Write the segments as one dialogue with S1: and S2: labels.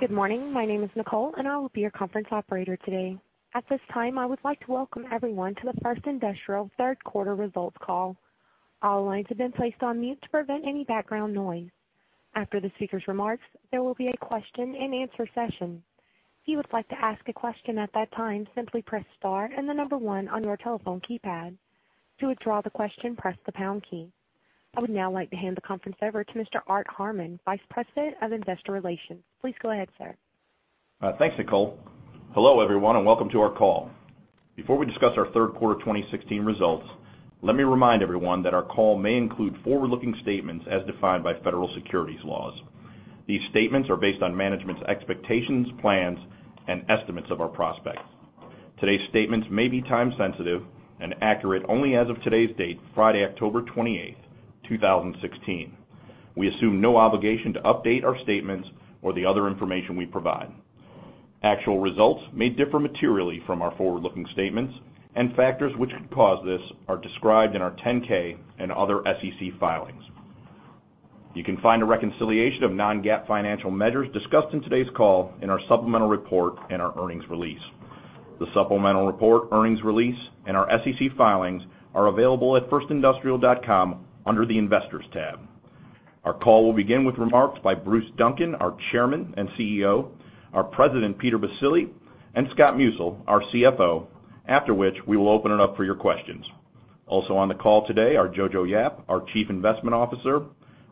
S1: Good morning. My name is Nicole, and I will be your conference operator today. At this time, I would like to welcome everyone to the First Industrial third quarter results call. All lines have been placed on mute to prevent any background noise. After the speakers' remarks, there will be a question-and-answer session. If you would like to ask a question at that time, simply press star and the number one on your telephone keypad. To withdraw the question, press the pound key. I would now like to hand the conference over to Mr. Art Harmon, Vice President of Investor Relations. Please go ahead, sir.
S2: Thanks, Nicole. Hello, everyone, and welcome to our call. Before we discuss our third quarter 2016 results, let me remind everyone that our call may include forward-looking statements as defined by federal securities laws. These statements are based on management's expectations, plans, and estimates of our prospects. Today's statements may be time-sensitive and accurate only as of today's date, Friday, October 28, 2016. We assume no obligation to update our statements or the other information we provide. Actual results may differ materially from our forward-looking statements, and factors which could cause this are described in our 10-K and other SEC filings. You can find a reconciliation of non-GAAP financial measures discussed in today's call in our supplemental report and our earnings release. The supplemental report, earnings release, and our SEC filings are available at firstindustrial.com under the Investors tab. Our call will begin with remarks by Bruce Duncan, our Chairman and CEO, our President, Peter Baccile, and Scott Musil, our CFO, after which we will open it up for your questions. Also on the call today are Jojo Yap, our Chief Investment Officer,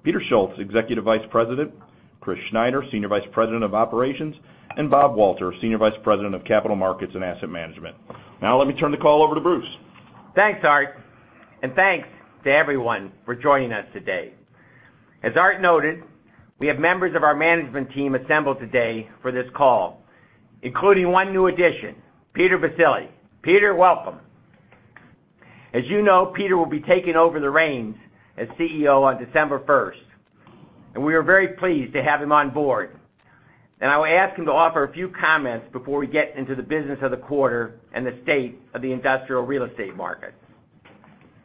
S2: Peter Schultz, Executive Vice President, Chris Schneider, Senior Vice President of Operations, and Bob Walter, Senior Vice President of Capital Markets and Asset Management. Now, let me turn the call over to Bruce.
S3: Thanks, Art. Thanks to everyone for joining us today. As Art noted, we have members of our management team assembled today for this call, including one new addition, Peter Baccile. Peter, welcome. As you know, Peter will be taking over the reins as CEO on December 1st, and we are very pleased to have him on board, and I will ask him to offer a few comments before we get into the business of the quarter and the state of the industrial real estate market.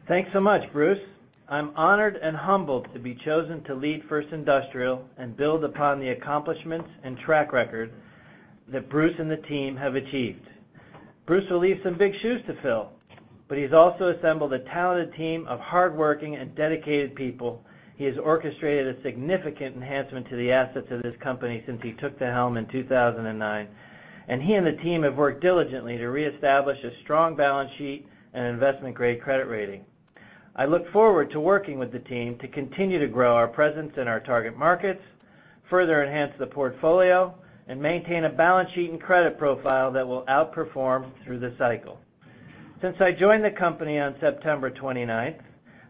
S4: Thanks so much, Bruce. I'm honored and humbled to be chosen to lead First Industrial and build upon the accomplishments and track record that Bruce and the team have achieved. Bruce will leave some big shoes to fill, but he's also assembled a talented team of hardworking and dedicated people. He has orchestrated a significant enhancement to the assets of this company since he took the helm in 2009, and he and the team have worked diligently to reestablish a strong balance sheet and investment-grade credit rating. I look forward to working with the team to continue to grow our presence in our target markets, further enhance the portfolio, and maintain a balance sheet and credit profile that will outperform through the cycle. Since I joined the company on September 29th,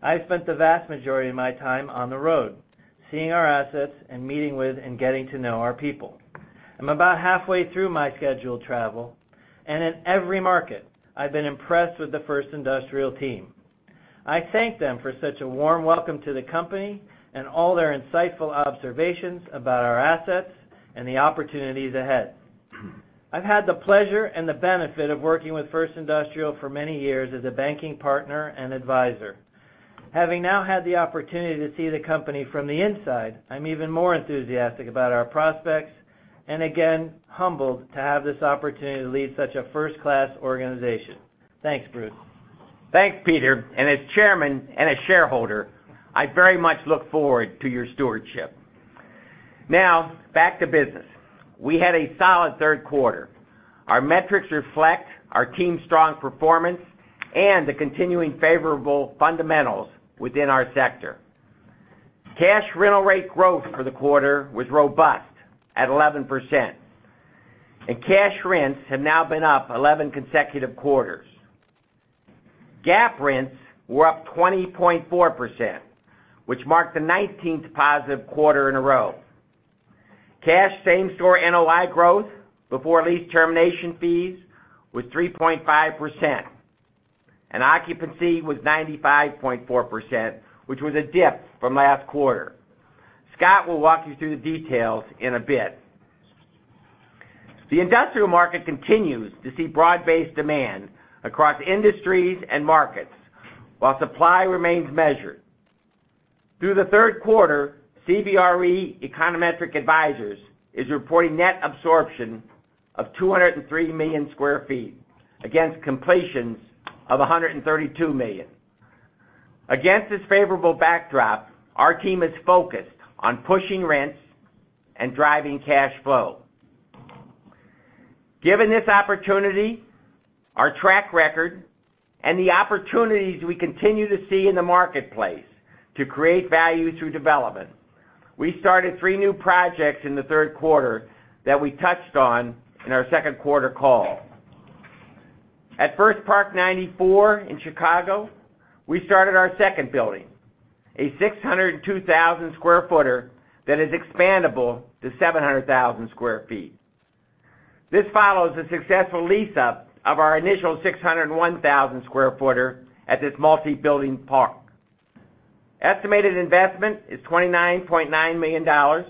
S4: I've spent the vast majority of my time on the road, seeing our assets and meeting with and getting to know our people. I'm about halfway through my scheduled travel, and in every market, I've been impressed with the First Industrial team. I thank them for such a warm welcome to the company and all their insightful observations about our assets and the opportunities ahead. I've had the pleasure and the benefit of working with First Industrial for many years as a banking partner and advisor. Having now had the opportunity to see the company from the inside, I'm even more enthusiastic about our prospects and again, humbled to have this opportunity to lead such a first-class organization. Thanks, Bruce.
S3: Thanks, Peter, and as chairman and a shareholder, I very much look forward to your stewardship. Now, back to business. We had a solid third quarter. Our metrics reflect our team's strong performance and the continuing favorable fundamentals within our sector. Cash rental rate growth for the quarter was robust at 11%, and cash rents have now been up 11 consecutive quarters. GAAP rents were up 20.4%, which marked the 19th positive quarter in a row. Cash same-store NOI growth before lease termination fees was 3.5%, and occupancy was 95.4%, which was a dip from last quarter. Scott will walk you through the details in a bit. The industrial market continues to see broad-based demand across industries and markets while supply remains measured. Through the third quarter, CBRE Econometric Advisors is reporting net absorption of 203 million square feet against completions of 132 million. Against this favorable backdrop, our team is focused on pushing rents and driving cash flow. Given this opportunity, our track record, and the opportunities we continue to see in the marketplace to create value through development, we started three new projects in the third quarter that we touched on in our second quarter call. At First Park 94 in Chicago, we started our second building, a 602,000 square footer that is expandable to 700,000 square feet. This follows the successful lease-up of our initial 601,000 square footer at this multi-building park. Estimated investment is $29.9 million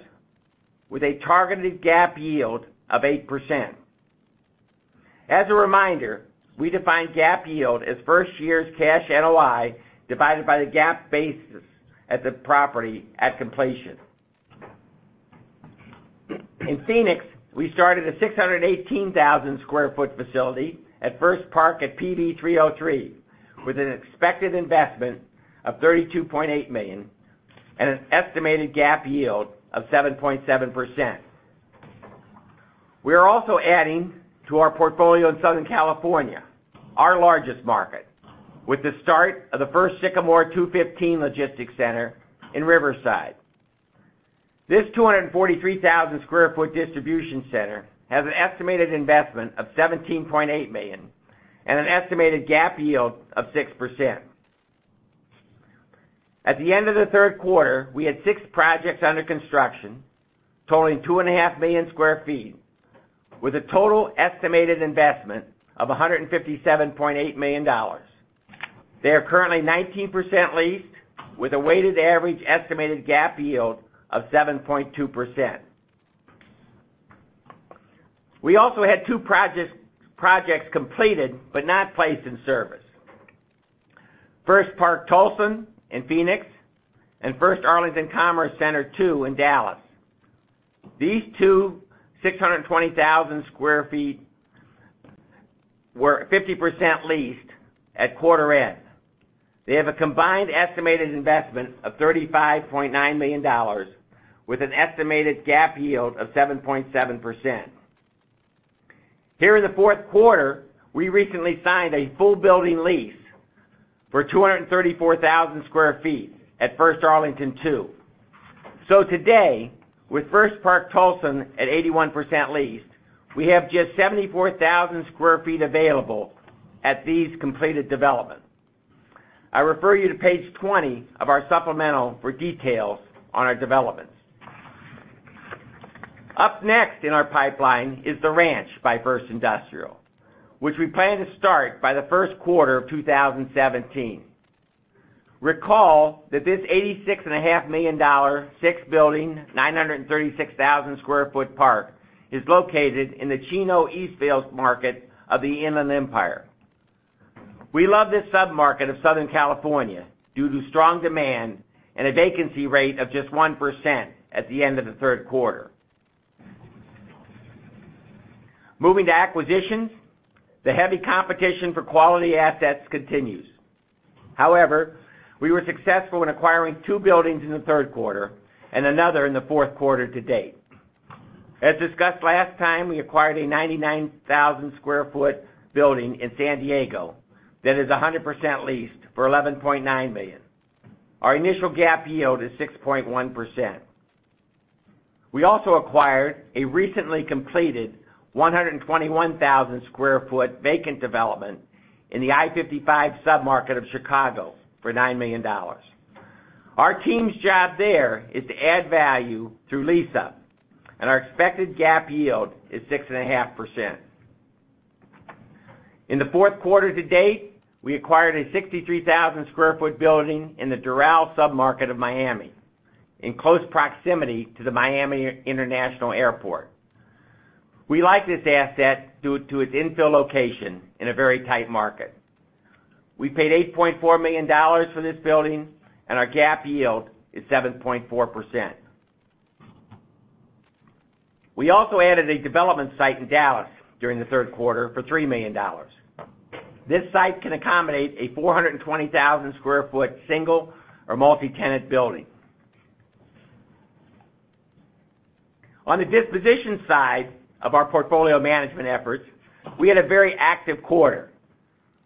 S3: with a targeted GAAP yield of 8%. As a reminder, we define GAAP yield as first year's cash NOI divided by the GAAP basis at the property at completion. In Phoenix, we started a 618,000 sq ft facility at First Park @ PV 303, with an expected investment of $32.8 million and an estimated GAAP yield of 7.7%. We are also adding to our portfolio in Southern California, our largest market, with the start of the First San Michele 215 Logistics Center in Riverside. This 243,000 sq ft distribution center has an estimated investment of $17.8 million and an estimated GAAP yield of 6%. At the end of the third quarter, we had six projects under construction totaling 2.5 million sq ft, with a total estimated investment of $157.8 million. They are currently 19% leased with a weighted average estimated GAAP yield of 7.2%. We also had two projects completed but not placed in service. First Park Tolleson in Phoenix and First Arlington Commerce Center 2 in Dallas. These two 620,000 sq ft were 50% leased at quarter end. They have a combined estimated investment of $35.9 million with an estimated GAAP yield of 7.7%. Here in the fourth quarter, we recently signed a full building lease for 234,000 sq ft at First Arlington 2. Today, with First Park Tolleson at 81% leased, we have just 74,000 sq ft available at these completed developments. I refer you to page 20 of our supplemental for details on our developments. Up next in our pipeline is The Ranch by First Industrial, which we plan to start by the first quarter of 2017. Recall that this $86.5 million six-building, 936,000 sq ft park is located in the Chino East Hills market of the Inland Empire. We love this sub-market of Southern California due to strong demand and a vacancy rate of just 1% at the end of the third quarter. Moving to acquisitions. The heavy competition for quality assets continues. However, we were successful in acquiring two buildings in the third quarter and another in the fourth quarter to date. As discussed last time, we acquired a 99,000 sq ft building in San Diego that is 100% leased for $11.9 million. Our initial GAAP yield is 6.1%. We also acquired a recently completed 121,000 sq ft vacant development in the I-55 sub-market of Chicago for $9 million. Our team's job there is to add value through lease up, and our expected GAAP yield is 6.5%. In the fourth quarter to date, we acquired a 63,000 sq ft building in the Doral sub-market of Miami, in close proximity to the Miami International Airport. We like this asset due to its infill location in a very tight market. We paid $8.4 million for this building and our GAAP yield is 7.4%. We also added a development site in Dallas during the third quarter for $3 million. This site can accommodate a 420,000 sq ft single or multi-tenant building. On the disposition side of our portfolio management efforts, we had a very active quarter.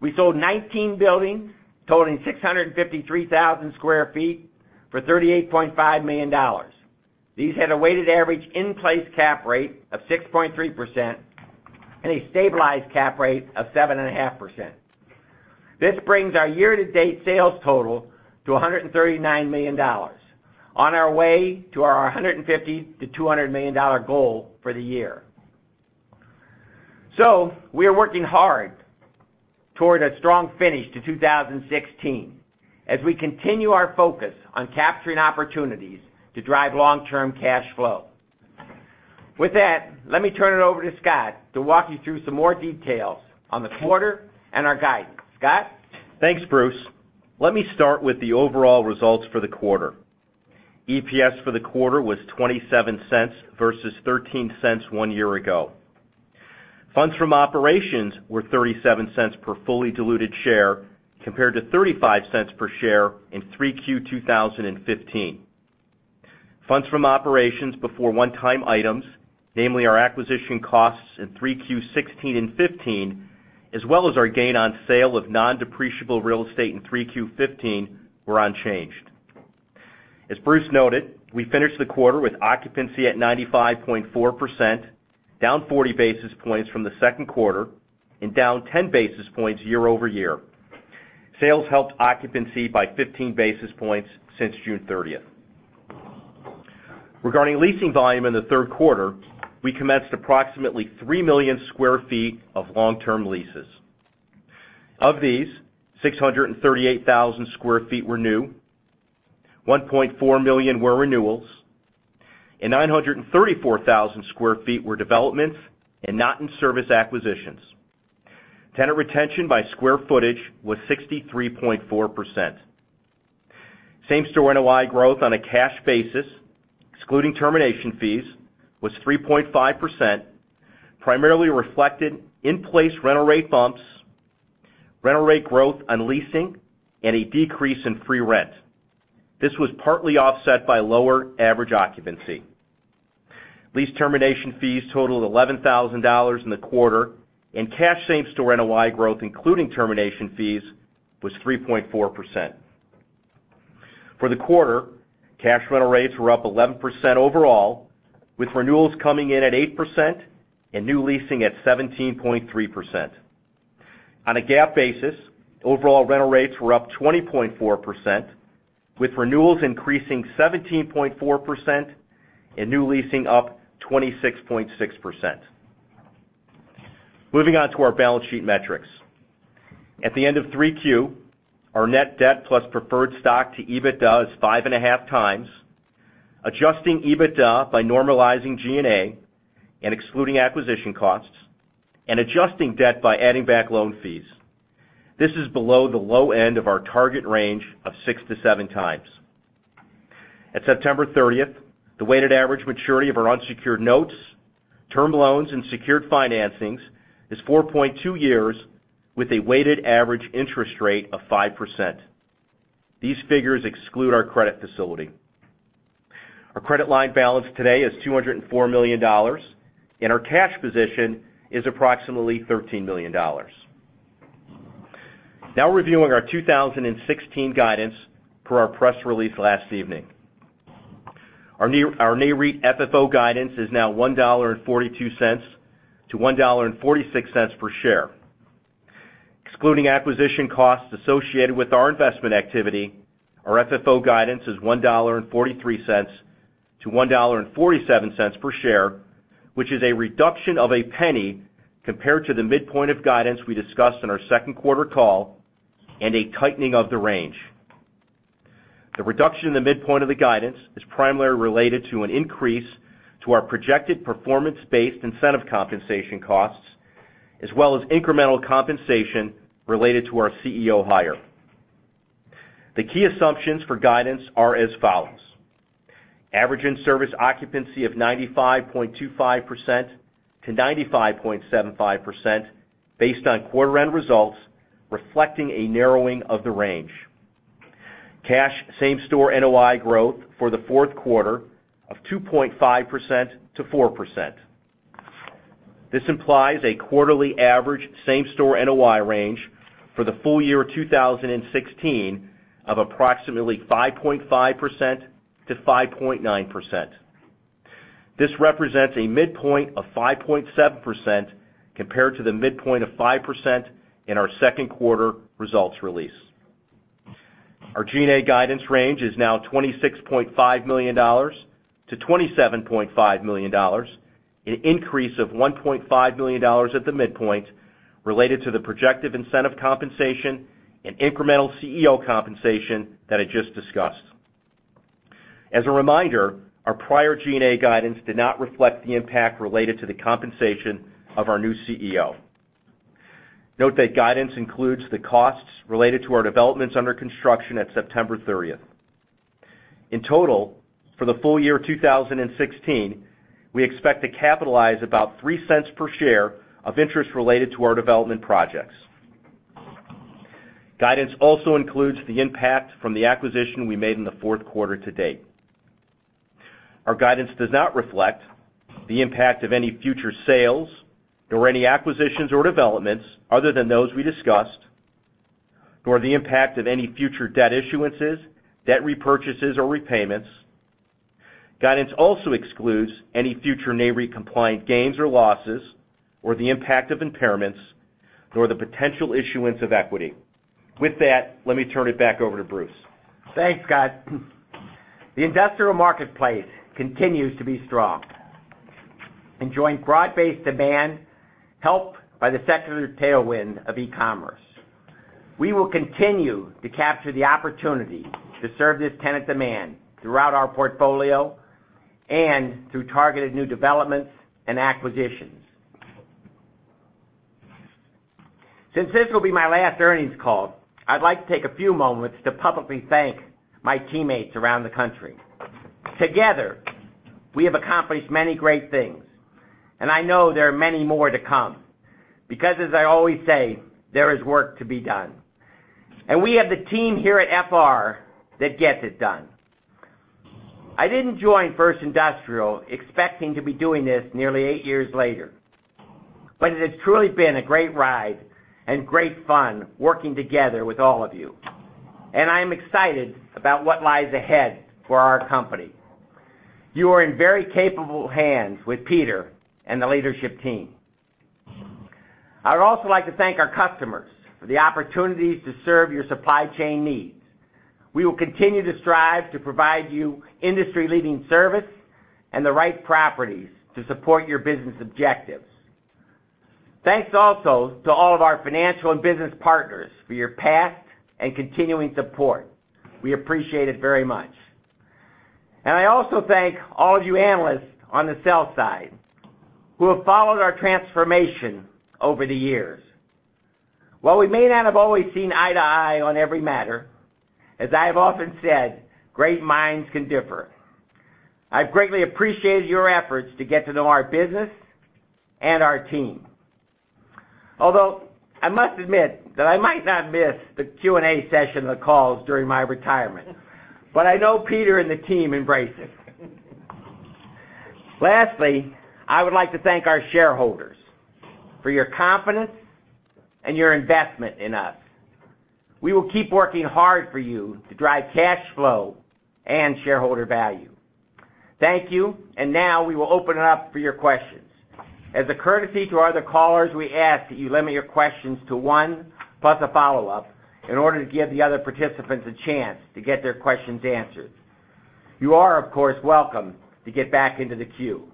S3: We sold 19 buildings totaling 653,000 sq ft for $38.5 million. These had a weighted average in-place cap rate of 6.3% and a stabilized cap rate of 7.5%. This brings our year-to-date sales total to $139 million. On our way to our $150 million-$200 million goal for the year. We are working hard toward a strong finish to 2016 as we continue our focus on capturing opportunities to drive long-term cash flow. With that, let me turn it over to Scott to walk you through some more details on the quarter and our guidance. Scott?
S5: Thanks, Bruce. Let me start with the overall results for the quarter. EPS for the quarter was $0.27 versus $0.13 one year ago. Funds from operations were $0.37 per fully diluted share, compared to $0.35 per share in 3Q 2015. Funds from operations before one-time items, namely our acquisition costs in 3Q 2016 and 2015, as well as our gain on sale of non-depreciable real estate in 3Q 2015, were unchanged. As Bruce noted, we finished the quarter with occupancy at 95.4%, down 40 basis points from the second quarter and down 10 basis points year-over-year. Sales helped occupancy by 15 basis points since June 30th. Regarding leasing volume in the third quarter, we commenced approximately 3 million square feet of long-term leases. Of these, 638,000 square feet were new, 1.4 million were renewals, and 934,000 square feet were developments and not-in-service acquisitions. Tenant retention by square footage was 63.4%. same-store NOI growth on a cash basis, excluding termination fees, was 3.5%, primarily reflected in-place rental rate bumps, rental rate growth on leasing, and a decrease in free rent. This was partly offset by lower average occupancy. Lease termination fees totaled $11,000 in the quarter, and cash same-store NOI growth, including termination fees, was 3.4%. For the quarter, cash rental rates were up 11% overall, with renewals coming in at 8% and new leasing at 17.3%. On a GAAP basis, overall rental rates were up 20.4%, with renewals increasing 17.4% and new leasing up 26.6%. Moving on to our balance sheet metrics. At the end of 3Q, our net debt plus preferred stock to EBITDA is 5.5 times. Adjusting EBITDA by normalizing G&A and excluding acquisition costs, and adjusting debt by adding back loan fees. This is below the low end of our target range of 6 to 7 times. At September 30th, the weighted average maturity of our unsecured notes, term loans and secured financings is 4.2 years, with a weighted average interest rate of 5%. These figures exclude our credit facility. Our credit line balance today is $204 million, and our cash position is approximately $13 million. Now reviewing our 2016 guidance per our press release last evening. Our NAREIT FFO guidance is now $1.42 to $1.46 per share. Excluding acquisition costs associated with our investment activity, our FFO guidance is $1.43 to $1.47 per share, which is a reduction of $0.01 compared to the midpoint of guidance we discussed in our second quarter call, and a tightening of the range. The reduction in the midpoint of the guidance is primarily related to an increase to our projected performance-based incentive compensation costs, as well as incremental compensation related to our CEO hire. The key assumptions for guidance are as follows. Average in-service occupancy of 95.25%-95.75% based on quarter-end results, reflecting a narrowing of the range. Cash same-store NOI growth for the fourth quarter of 2.5%-4%. This implies a quarterly average same-store NOI range for the full year 2016 of approximately 5.5%-5.9%. This represents a midpoint of 5.7% compared to the midpoint of 5% in our second quarter results release. Our G&A guidance range is now $26.5 million-$27.5 million, an increase of $1.5 million at the midpoint related to the projected incentive compensation and incremental CEO compensation that I just discussed. As a reminder, our prior G&A guidance did not reflect the impact related to the compensation of our new CEO. Note that guidance includes the costs related to our developments under construction at September 30th. In total, for the full year 2016, we expect to capitalize about $0.03 per share of interest related to our development projects. Guidance also includes the impact from the acquisition we made in the fourth quarter to date. Our guidance does not reflect the impact of any future sales, nor any acquisitions or developments other than those we discussed, nor the impact of any future debt issuances, debt repurchases, or repayments. Guidance also excludes any future NAREIT-compliant gains or losses, or the impact of impairments, nor the potential issuance of equity. With that, let me turn it back over to Bruce.
S3: Thanks, Scott. The industrial marketplace continues to be strong, enjoying broad-based demand helped by the secular tailwind of e-commerce. We will continue to capture the opportunity to serve this tenant demand throughout our portfolio and through targeted new developments and acquisitions. Since this will be my last earnings call, I'd like to take a few moments to publicly thank my teammates around the country. Together, we have accomplished many great things, and I know there are many more to come, because as I always say, there is work to be done. We have the team here at FR that gets it done. I didn't join First Industrial expecting to be doing this nearly eight years later, but it has truly been a great ride and great fun working together with all of you. I am excited about what lies ahead for our company. You are in very capable hands with Peter and the leadership team. I would also like to thank our customers for the opportunities to serve your supply chain needs. We will continue to strive to provide you industry-leading service and the right properties to support your business objectives. Thanks also to all of our financial and business partners for your past and continuing support. We appreciate it very much. I also thank all of you analysts on the sell side who have followed our transformation over the years. While we may not have always seen eye to eye on every matter, as I have often said, great minds can differ. I've greatly appreciated your efforts to get to know our business and our team. Although, I must admit that I might not miss the Q&A session of the calls during my retirement. I know Peter and the team embrace it. Lastly, I would like to thank our shareholders for your confidence and your investment in us. We will keep working hard for you to drive cash flow and shareholder value. Thank you. Now, we will open it up for your questions. As a courtesy to other callers, we ask that you limit your questions to one, plus a follow-up, in order to give the other participants a chance to get their questions answered. You are, of course, welcome to get back into the queue.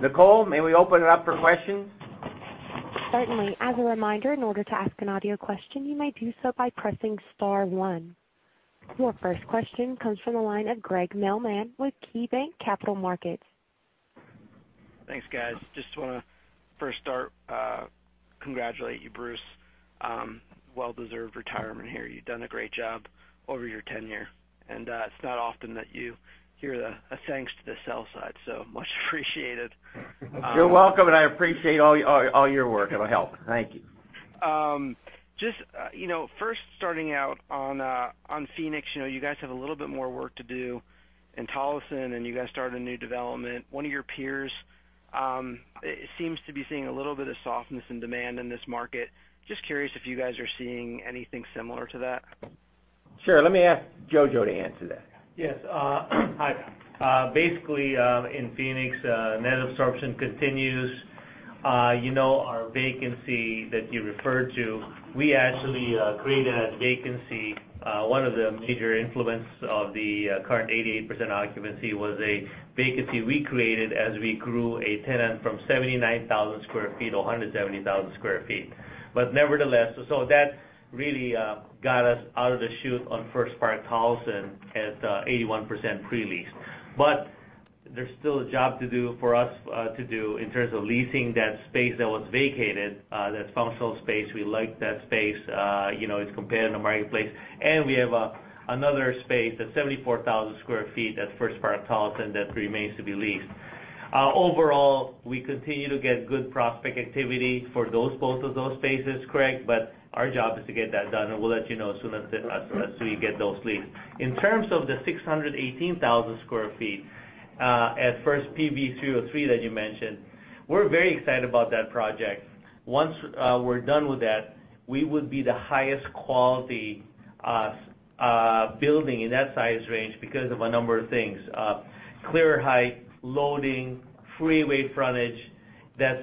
S3: Nicole, may we open it up for questions?
S1: Certainly. As a reminder, in order to ask an audio question, you may do so by pressing star one. Your first question comes from the line of Craig Mailman with KeyBanc Capital Markets.
S6: Thanks, guys. Just want to congratulate you, Bruce. Well-deserved retirement here. You've done a great job over your tenure. It's not often that you hear a thanks to the sell side, much appreciated.
S3: You're welcome. I appreciate all your work and help. Thank you.
S6: First starting out on Phoenix, you guys have a little bit more work to do in Tolleson, you guys started a new development. One of your peers seems to be seeing a little bit of softness in demand in this market. Curious if you guys are seeing anything similar to that.
S3: Sure. Let me ask Jojo to answer that.
S7: Yes. Hi. In Phoenix, net absorption continues. Our vacancy that you referred to, we actually created a vacancy. One of the major influence of the current 88% occupancy was a vacancy we created as we grew a tenant from 79,000 sq ft to 170,000 sq ft. Nevertheless, that really got us out of the chute on First Park Tolleson at 81% pre-lease. There's still a job for us to do in terms of leasing that space that was vacated, that functional space. We like that space. It's competitive in the marketplace. We have another space, that's 74,000 sq ft at First Park Tolleson that remains to be leased. Overall, we continue to get good prospect activity for both of those spaces, Craig, our job is to get that done, we'll let you know as soon as we get those leased. In terms of the 618,000 sq ft at First Park @ PV 303 that you mentioned, we're very excited about that project. Once we're done with that, we would be the highest quality building in that size range because of a number of things. Clear height, loading, freeway frontage that's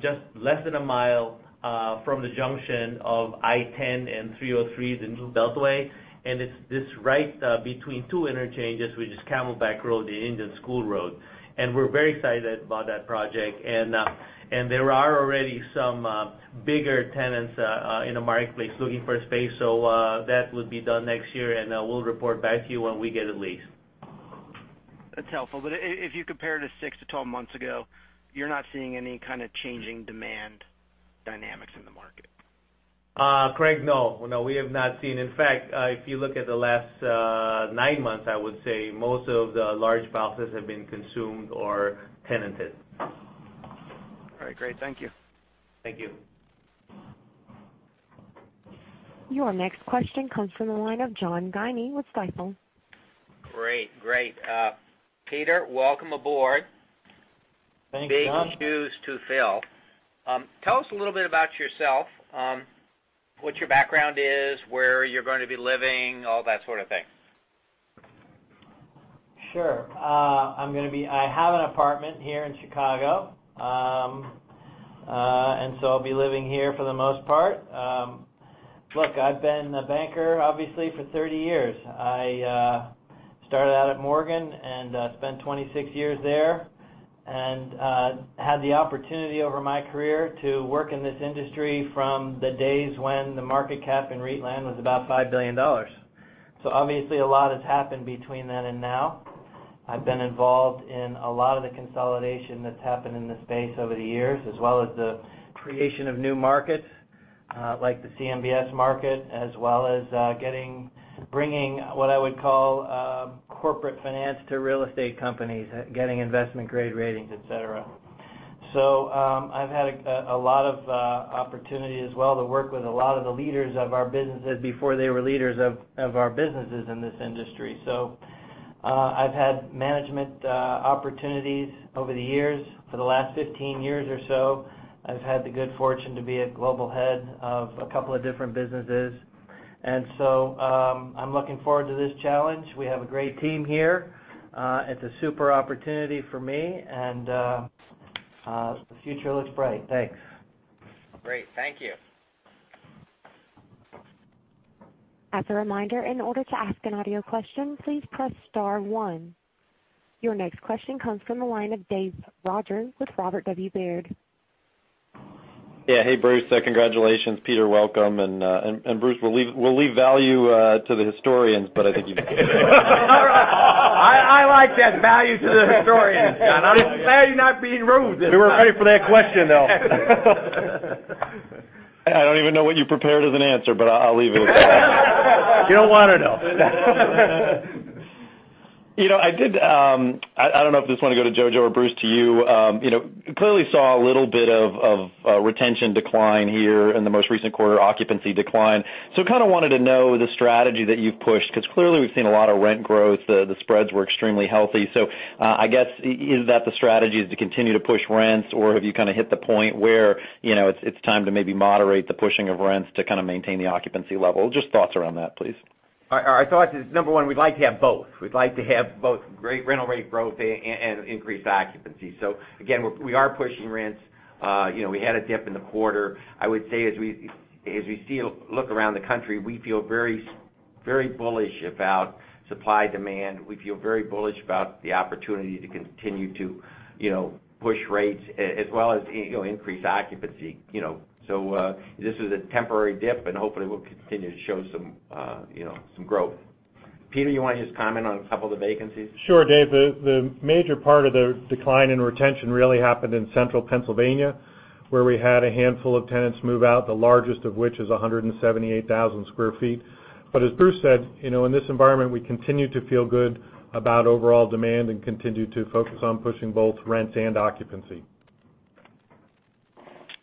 S7: just less than a mile from the junction of I-10 and 303, the new beltway, it's right between two interchanges, which is Camelback Road and Indian School Road. We're very excited about that project. There are already some bigger tenants in the marketplace looking for a space. That would be done next year, we'll report back to you when we get it leased.
S6: That's helpful. If you compare it to six to 12 months ago, you're not seeing any kind of changing demand dynamics in the market?
S7: Craig, no. No, we have not seen. In fact, if you look at the last nine months, I would say most of the large parcels have been consumed or tenanted.
S6: All right. Great. Thank you.
S7: Thank you.
S1: Your next question comes from the line of John Guinee with Stifel.
S8: Great. Peter, welcome aboard.
S4: Thanks, John.
S8: Big shoes to fill. Tell us a little bit about yourself, what your background is, where you're going to be living, all that sort of thing.
S4: Sure. I have an apartment here in Chicago, so I'll be living here for the most part. Look, I've been a banker, obviously, for 30 years. I started out at Morgan and spent 26 years there. I had the opportunity over my career to work in this industry from the days when the market cap in REIT land was about $5 billion. Obviously, a lot has happened between then and now. I've been involved in a lot of the consolidation that's happened in the space over the years, as well as the creation of new markets like the CMBS market, as well as bringing what I would call corporate finance to real estate companies, getting investment-grade ratings, et cetera. I've had a lot of opportunity as well to work with a lot of the leaders of our businesses before they were leaders of our businesses in this industry. I've had management opportunities over the years. For the last 15 years or so, I've had the good fortune to be a global head of a couple of different businesses. I'm looking forward to this challenge. We have a great team here. It's a super opportunity for me, and the future looks bright. Thanks.
S8: Great. Thank you.
S1: As a reminder, in order to ask an audio question, please press star one. Your next question comes from the line of Dave Rodgers with Robert W. Baird.
S9: Hey, Bruce. Congratulations, Peter. Welcome. Bruce, we'll leave value to the historians, but I think you-
S3: I like that, value to the historians, John. I'm glad you're not being rude.
S9: We weren't ready for that question, though. I don't even know what you prepared as an answer, but I'll leave it with that.
S3: You don't want to know.
S9: I don't know if this one will go to Jojo or Bruce, to you. Clearly saw a little bit of a retention decline here in the most recent quarter, occupancy decline. Kind of wanted to know the strategy that you've pushed, because clearly we've seen a lot of rent growth. The spreads were extremely healthy. I guess is that the strategy is to continue to push rents, or have you kind of hit the point where it's time to maybe moderate the pushing of rents to kind of maintain the occupancy level? Just thoughts around that, please.
S3: Our thought is, number 1, we'd like to have both. We'd like to have both great rental rate growth and increased occupancy. Again, we are pushing rents. We had a dip in the quarter. I would say as we look around the country, we feel very bullish about supply-demand. We feel very bullish about the opportunity to continue to push rates as well as increase occupancy. This is a temporary dip, and hopefully we'll continue to show some growth. Peter, you want to just comment on a couple of the vacancies?
S10: Sure, Dave. The major part of the decline in retention really happened in central Pennsylvania, where we had a handful of tenants move out, the largest of which is 178,000 sq ft. As Bruce said, in this environment, we continue to feel good about overall demand and continue to focus on pushing both rents and occupancy.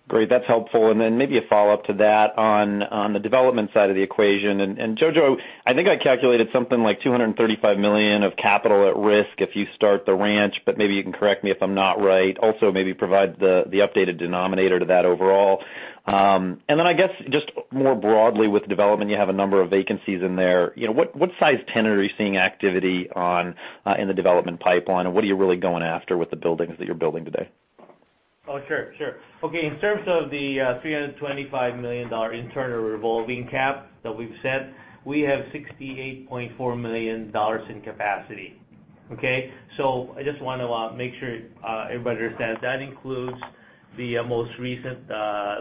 S9: Great. That's helpful. Then maybe a follow-up to that on the development side of the equation. Jojo, I think I calculated something like $235 million of capital at risk if you start the Ranch, but maybe you can correct me if I'm not right. Also maybe provide the updated denominator to that overall. Then I guess, just more broadly with development, you have a number of vacancies in there. What size tenant are you seeing activity on in the development pipeline, and what are you really going after with the buildings that you're building today?
S7: Oh, sure. Okay. In terms of the $325 million internal revolving cap that we've set, we have $68.4 million in capacity. Okay. I just want to make sure everybody understands. That includes the most recent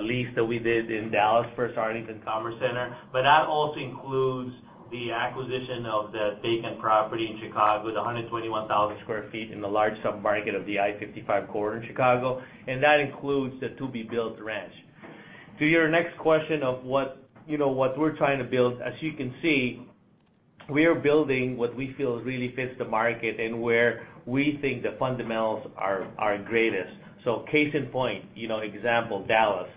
S7: lease that we did in Dallas for our Arlington Commerce Center, but that also includes the acquisition of the vacant property in Chicago, the 121,000 sq ft in the large sub-market of the I-55 corridor in Chicago, and that includes the to-be-built Ranch. To your next question of what we're trying to build, as you can see, we are building what we feel really fits the market and where we think the fundamentals are greatest. Case in point, example, Dallas.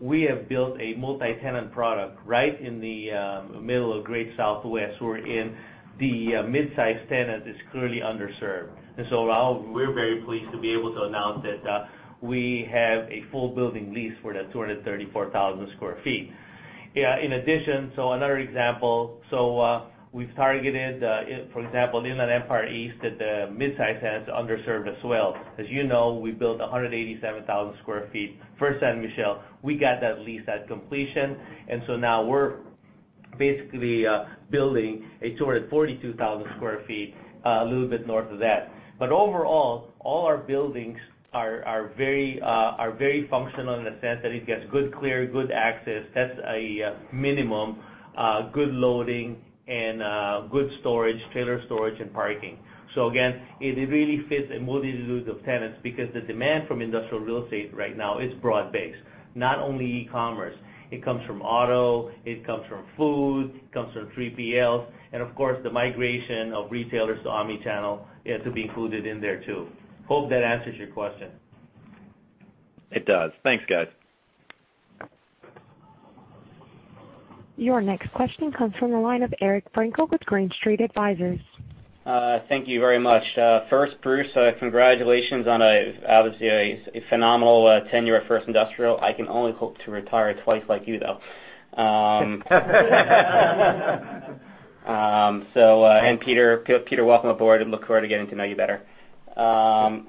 S7: We have built a multi-tenant product right in the middle of Great Southwest, where in the mid-size tenant is clearly underserved. We're very pleased to be able to announce that we have a full building lease for that 234,000 sq ft. In addition, another example, we've targeted, for example, Inland Empire East at the mid-size tenants underserved as well. As you know, we built 187,000 sq ft, First San Michele. We got that lease at completion. Now we're basically building a 242,000 sq ft a little bit north of that. Overall, all our buildings are very functional in the sense that it gets good clear, good access. That's a minimum. Good loading and good storage, trailer storage, and parking. Again, it really fits a multitude of tenants because the demand from industrial real estate right now is broad-based, not only e-commerce. It comes from auto, it comes from food, it comes from 3PLs, and of course, the migration of retailers to omni-channel to be included in there, too. Hope that answers your question.
S9: It does. Thanks, guys.
S1: Your next question comes from the line of Eric Frankel with Green Street Advisors.
S11: Thank you very much. First, Bruce, congratulations on obviously a phenomenal tenure at First Industrial. I can only hope to retire twice like you, though. Peter, welcome aboard, and look forward to getting to know you better. My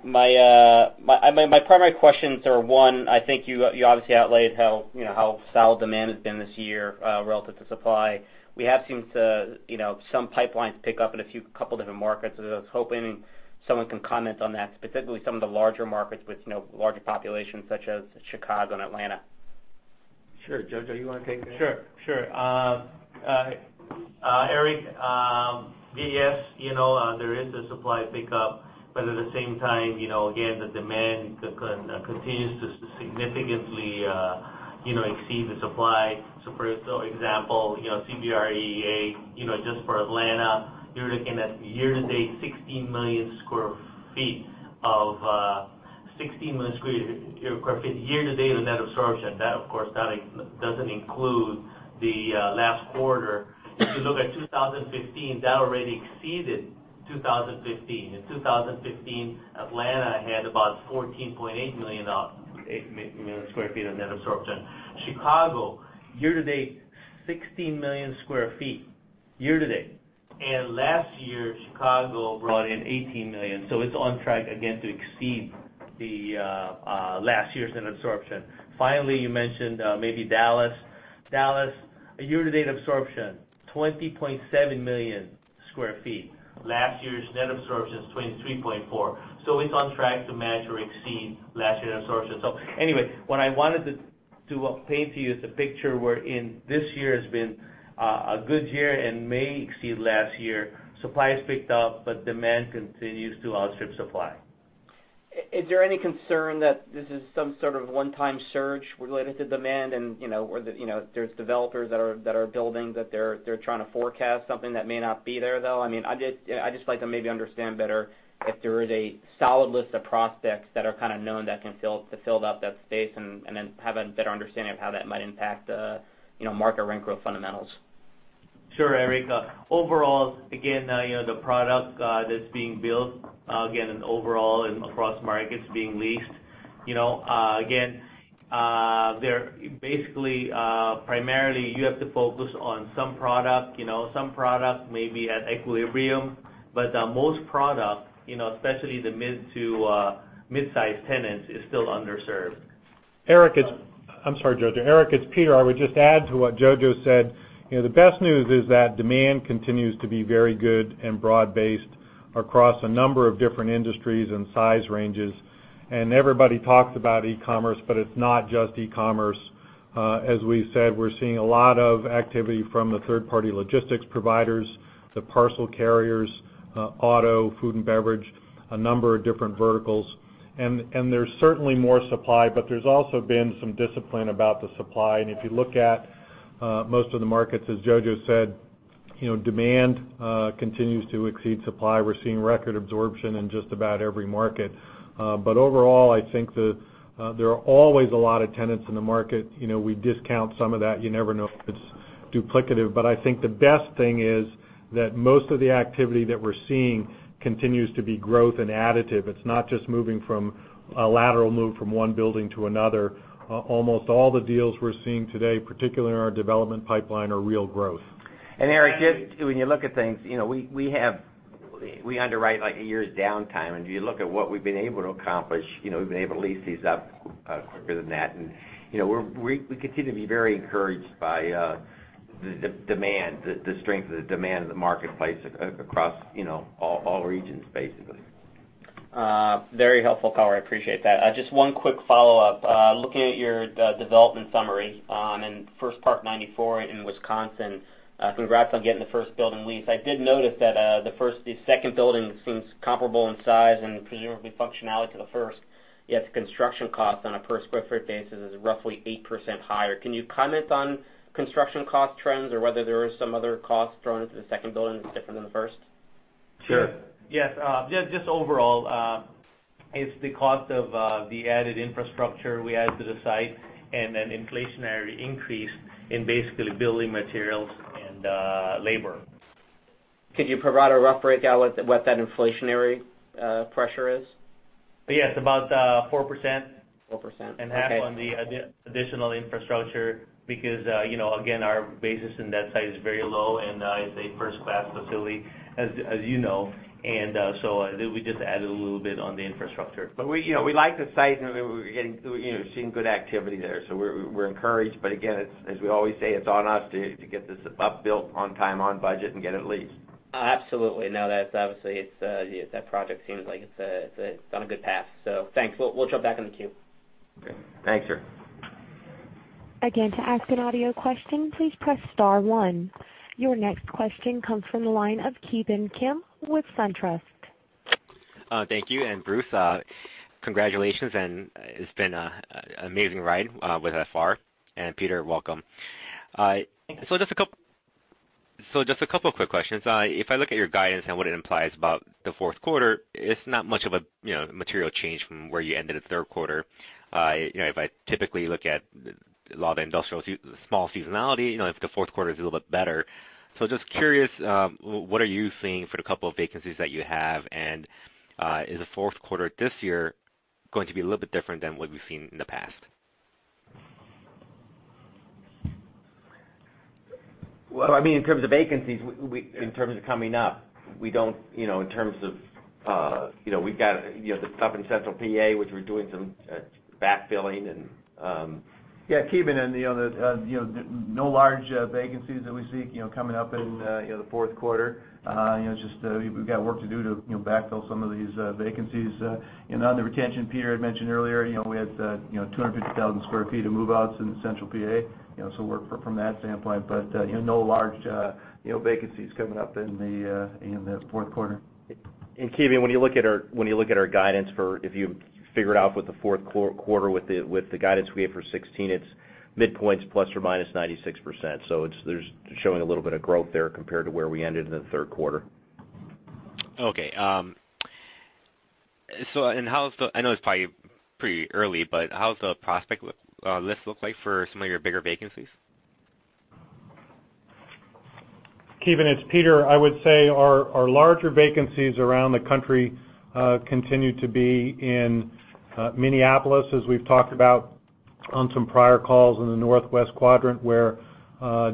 S11: primary questions are, 1, I think you obviously outlaid how solid demand has been this year relative to supply. We have seen some pipelines pick up in a few couple different markets. I was hoping someone can comment on that, specifically some of the larger markets with larger populations such as Chicago and Atlanta.
S3: Sure. Jojo, you want to take that?
S7: Sure. Eric, yes, there is a supply pickup, but at the same time, again, the demand continues to significantly exceed the supply. For example, CBRE EA, just for Atlanta, you're looking at year-to-date, 16 million square feet of net absorption. That, of course, that doesn't include the last quarter. If you look at 2015, that already exceeded 2015. In 2015, Atlanta had about 14.8 million square feet of net absorption. Chicago, year-to-date, 16 million square feet Year-to-date. Last year, Chicago brought in 18 million. It's on track again to exceed last year's net absorption. Finally, you mentioned maybe Dallas. Dallas, a year-to-date absorption, 20.7 million square feet. Last year's net absorption is 23.4. It's on track to match or exceed last year's absorption. Anyway, what I wanted to paint you is the picture wherein this year has been a good year and may exceed last year. Supply has picked up, but demand continues to outstrip supply.
S11: Is there any concern that this is some sort of one-time surge related to demand and, or there's developers that are building, that they're trying to forecast something that may not be there, though? I'd just like to maybe understand better if there is a solid list of prospects that are kind of known that can fill up that space and then have a better understanding of how that might impact the market rent growth fundamentals.
S7: Sure, Eric. Overall, again, the product that's being built, again, and overall and across markets being leased. Again, basically, primarily you have to focus on some product. Some product may be at equilibrium, but most product, especially the mid-sized tenants, is still underserved.
S10: Eric, it's I'm sorry, Jojo. Eric, it's Peter. I would just add to what Jojo said. The best news is that demand continues to be very good and broad-based across a number of different industries and size ranges. Everybody talks about e-commerce, but it's not just e-commerce. As we said, we're seeing a lot of activity from the third-party logistics providers, the parcel carriers, auto, food and beverage, a number of different verticals. There's certainly more supply, but there's also been some discipline about the supply. If you look at most of the markets, as Jojo said, demand continues to exceed supply. We're seeing record absorption in just about every market. Overall, I think that there are always a lot of tenants in the market. We discount some of that. You never know if it's duplicative. I think the best thing is that most of the activity that we're seeing continues to be growth and additive. It's not just moving from a lateral move from one building to another. Almost all the deals we're seeing today, particularly in our development pipeline, are real growth.
S3: Eric, just when you look at things, we underwrite like a year's downtime. If you look at what we've been able to accomplish, we've been able to lease these up quicker than that. We continue to be very encouraged by the strength of the demand in the marketplace across all regions, basically.
S11: Very helpful, color, I appreciate that. Just one quick follow-up. Looking at your development summary, in the First Park 94 in Wisconsin. Congrats on getting the first building lease. I did notice that the second building seems comparable in size and presumably functionality to the first, yet the construction cost on a per-square-foot basis is roughly 8% higher. Can you comment on construction cost trends or whether there are some other costs thrown into the second building that's different than the first?
S7: Sure. Yes. Just overall, it's the cost of the added infrastructure we added to the site and an inflationary increase in basically building materials and labor.
S11: Could you provide a rough breakdown what that inflationary pressure is?
S7: Yes, about 4%.
S11: 4%. Okay
S7: Half on the additional infrastructure because again, our basis in that site is very low, and it's a first-class facility, as you know. We just added a little bit on the infrastructure. We like the site, and we're seeing good activity there. We're encouraged, but again, as we always say, it's on us to get this up built on time, on budget, and get it leased.
S11: Absolutely. No, that's obviously That project seems like it's on a good path. Thanks. We'll jump back in the queue.
S3: Okay. Thanks, Eric.
S1: To ask an audio question, please press star one. Your next question comes from the line of Ki Bin Kim with SunTrust.
S12: Thank you. Bruce, congratulations, and it's been an amazing ride with FR. Peter, welcome. Just a couple of quick questions. If I look at your guidance and what it implies about the fourth quarter, it's not much of a material change from where you ended the third quarter. If I typically look at a lot of the industrial, small seasonality, if the fourth quarter is a little bit better. Just curious, what are you seeing for the couple of vacancies that you have? Is the fourth quarter this year going to be a little bit different than what we've seen in the past?
S3: In terms of vacancies, in terms of coming up, we've got the stuff in Central P.A., which we're doing some backfilling.
S10: Ki Bin, no large vacancies that we see coming up in the fourth quarter. It's just we've got work to do to backfill some of these vacancies. On the retention, Peter had mentioned earlier, we had 250,000 sq ft of move-outs in Central P.A., so work from that standpoint. No large vacancies coming up in the fourth quarter.
S3: Ki Bin, when you look at our guidance for, if you figure it out with the fourth quarter with the guidance we have for 2016, it's mid-points ±96%. It's showing a little bit of growth there compared to where we ended in the third quarter.
S12: I know it's probably pretty early, but how's the prospect list look like for some of your bigger vacancies?
S10: Ki Bin, it's Peter. I would say our larger vacancies around the country continue to be in Minneapolis, as we've talked about on some prior calls in the northwest quadrant where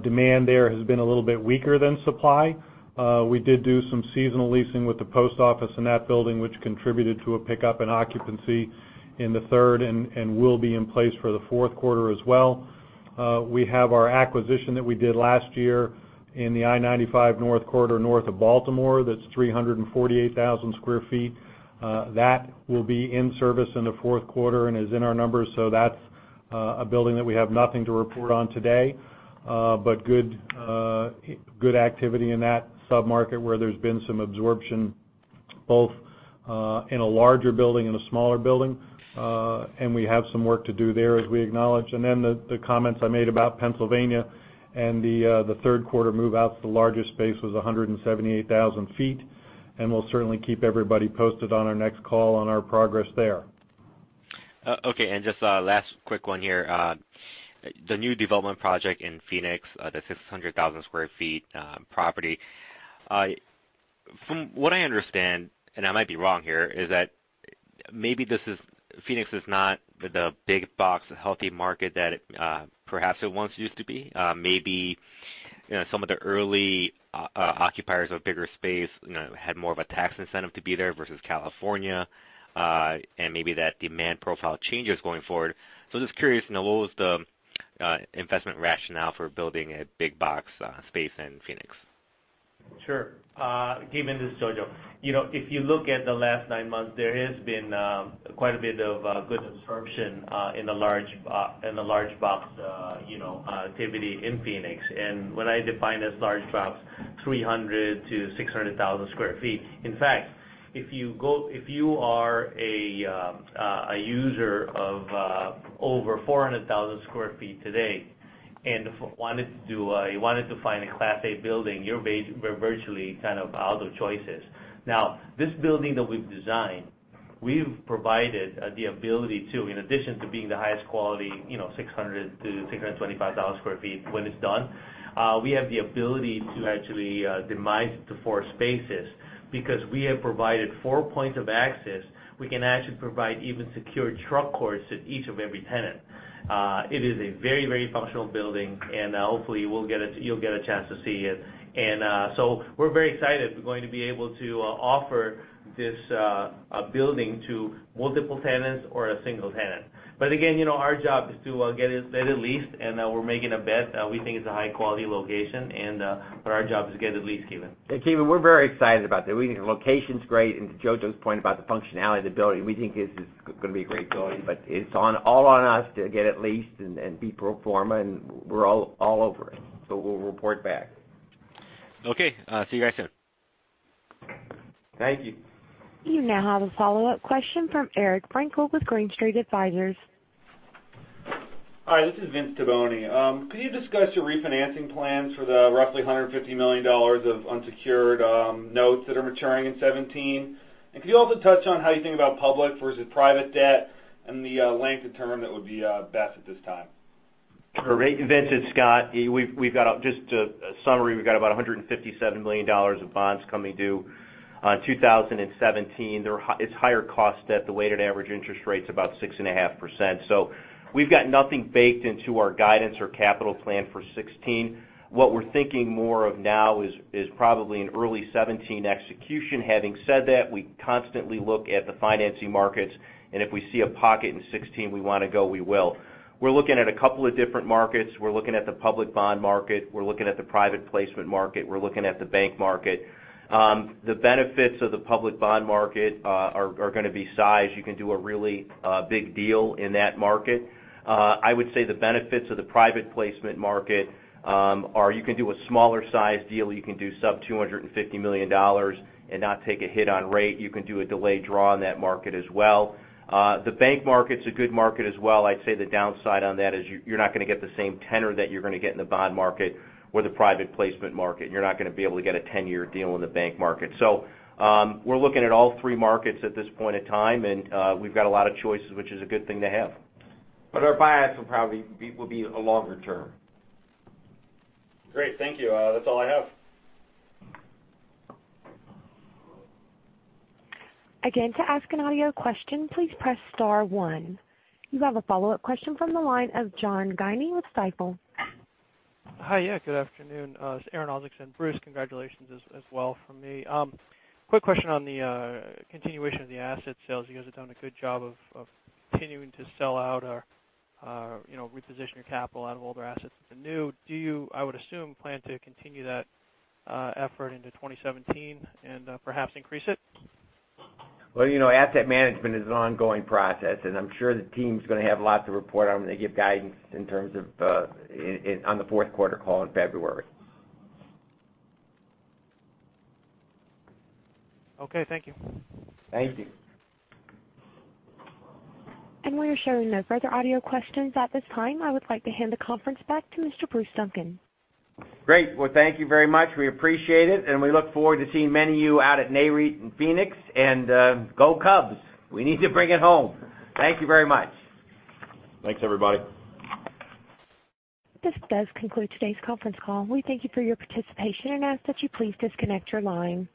S10: demand there has been a little bit weaker than supply. We did do some seasonal leasing with the post office in that building, which contributed to a pickup in occupancy in the third, and will be in place for the fourth quarter as well. We have our acquisition that we did last year in the I-95 north corridor, north of Baltimore. That's 348,000 sq ft. That will be in service in the fourth quarter and is in our numbers. That's a building that we have nothing to report on today. Good activity in that sub-market where there's been some absorption, both in a larger building, in a smaller building. We have some work to do there, as we acknowledge. The comments I made about Pennsylvania and the third quarter move out to the largest space was 178,000 sq ft. We'll certainly keep everybody posted on our next call on our progress there.
S12: Okay. Just a last quick one here. The new development project in Phoenix, the 600,000 sq ft property. From what I understand, and I might be wrong here, is that maybe Phoenix is not the big box healthy market that perhaps it once used to be. Maybe some of the early occupiers of bigger space had more of a tax incentive to be there versus California. Maybe that demand profile changes going forward. Just curious, what was the investment rationale for building a big box space in Phoenix?
S7: Sure. Ki Bin, this is Jojo. If you look at the last nine months, there has been quite a bit of good absorption in the large box activity in Phoenix. When I define as large box, 300,000-600,000 sq ft. In fact, if you are a user of over 400,000 sq ft today and wanted to find a class A building, you're virtually out of choices. This building that we've designed, we've provided the ability to, in addition to being the highest quality 600,000-625,000 sq ft when it's done, we have the ability to actually demise it to four spaces. We have provided four points of access, we can actually provide even secured truck courts at each of every tenant. It is a very functional building, hopefully you'll get a chance to see it. We're very excited we're going to be able to offer this building to multiple tenants or a single tenant. Again, our job is to get it leased, and we're making a bet. We think it's a high-quality location and, our job is to get it leased, Ki Bin.
S3: Ki Bin, we're very excited about that. We think the location's great. To Jojo's point about the functionality of the building, we think this is going to be a great building. It's all on us to get it leased and be pro forma, and we're all over it. We'll report back.
S12: Okay. See you guys soon.
S7: Thank you.
S1: You now have a follow-up question from Eric Frankel with Green Street Advisors.
S13: Hi, this is Vince Tibone. Could you discuss your refinancing plans for the roughly $150 million of unsecured notes that are maturing in 2017? Could you also touch on how you think about public versus private debt and the length of term that would be best at this time?
S5: Great, Vince. It's Scott. We've got just a summary. We've got about $157 million of bonds coming due on 2017. It's higher cost debt. The weighted average interest rate's about 6.5%. We've got nothing baked into our guidance or capital plan for 2016. What we're thinking more of now is probably an early 2017 execution. Having said that, we constantly look at the financing markets, if we see a pocket in 2016 we want to go, we will. We're looking at a couple of different markets. We're looking at the public bond market. We're looking at the private placement market. We're looking at the bank market. The benefits of the public bond market are going to be size. You can do a really big deal in that market. I would say the benefits of the private placement market are you can do a smaller size deal. You can do sub-$250 million and not take a hit on rate. You can do a delayed draw on that market as well. The bank market's a good market as well. I'd say the downside on that is you're not going to get the same tenor that you're going to get in the bond market or the private placement market, you're not going to be able to get a 10-year deal in the bank market. We're looking at all three markets at this point in time, we've got a lot of choices, which is a good thing to have.
S7: Our bias will be a longer term.
S13: Great. Thank you. That's all I have.
S1: Again, to ask an audio question, please press star one. You have a follow-up question from the line of John Guinee with Stifel.
S14: Hi. Yeah, good afternoon. It's Aaron Isaacson. Bruce, congratulations as well from me. Quick question on the continuation of the asset sales. You guys have done a good job of continuing to sell out or reposition your capital out of older assets into new. Do you, I would assume, plan to continue that effort into 2017 and perhaps increase it?
S5: Well, asset management is an ongoing process, and I'm sure the team's going to have a lot to report on when they give guidance in terms of on the fourth quarter call in February.
S14: Okay, thank you.
S5: Thank you.
S1: We are showing no further audio questions at this time. I would like to hand the conference back to Mr. Bruce Duncan.
S3: Great. Well, thank you very much. We appreciate it, and we look forward to seeing many of you out at NAREIT in Phoenix. Go Cubs. We need to bring it home. Thank you very much.
S4: Thanks, everybody.
S1: This does conclude today's conference call. We thank you for your participation and ask that you please disconnect your line.